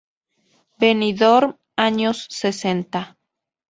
Benidorm, años sesenta.